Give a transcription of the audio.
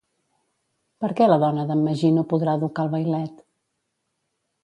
Per què la dona d'en Magí no podrà educar al vailet?